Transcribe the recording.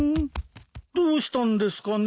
どうしたんですかね？